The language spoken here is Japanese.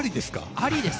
ありです。